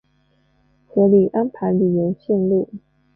合理安排旅游线路